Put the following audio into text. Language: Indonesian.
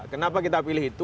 kenapa kita pilih itu